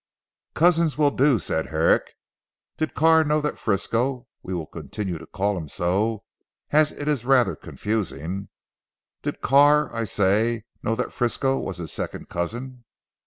"Cousins will do," said Herrick. "Did Carr know that Frisco we will continue to call him so as it is rather confusing did Carr I say, know that Frisco was his second cousin?"